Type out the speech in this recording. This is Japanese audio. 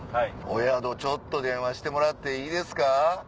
お宿ちょっと電話してもらっていいですか？